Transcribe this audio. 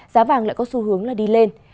giá vàng lại có xu hướng đi lên